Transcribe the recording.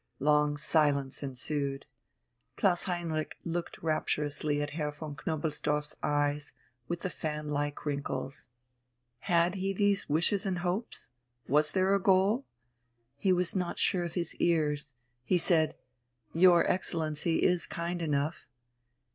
Long silence ensued. Klaus Heinrich looked rapturously at Herr von Knobelsdorff's eyes with the fan like wrinkles. Had he these wishes and hopes? Was there a goal? He was not sure of his ears. He said: "Your Excellency is kind enough